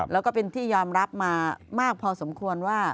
แล้วก็เป็นที่ยอมรับมามากพอสมควรว่า